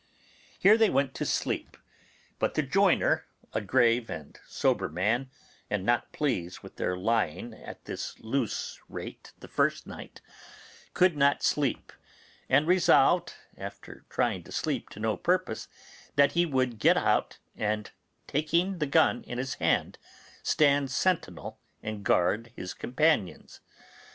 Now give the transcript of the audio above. Here they went to sleep; but the joiner, a grave and sober man, and not pleased with their lying at this loose rate the first night, could not sleep, and resolved, after trying to sleep to no purpose, that he would get out, and, taking the gun in his hand, stand sentinel and guard his companions.